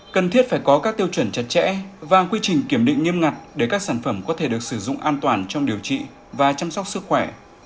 cần thiết phải có các tiêu chuẩn chặt chẽ và quy trình kiểm định nghiêm ngặt để các sản phẩm có thể được sử dụng an toàn trong điều trị và chăm sóc sức khỏe